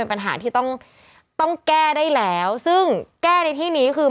ปัญหาที่ต้องต้องได้แล้วซึ่งแก้ในที่นี้ก็คือ